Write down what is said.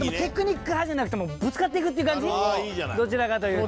どちらかというと。